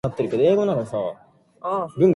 Its capital is the town of Chosica.